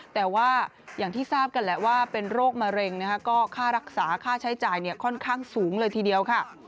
แต่ว่าอย่างที่ทราบกันแหละว่าเป็นโรคมะเร็งนะคะก็ค่ารักษาค่าใช้จ่ายค่อนข้างสูงเลยทีเดียวค่ะ